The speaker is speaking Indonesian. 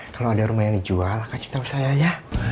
kalau ada rumah yang dijual kasih tahu saya ya